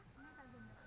cô hái á